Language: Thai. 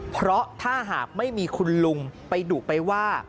เพราะถ้าหากไม่มีคุณลุงไปดุไปว่า